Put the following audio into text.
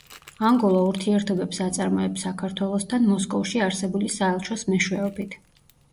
ანგოლა ურთიერთობებს აწარმოებს საქართველოსთან მოსკოვში არსებული საელჩოს მეშვეობით.